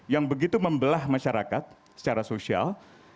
yang begitu membelah masyarakat secara sosial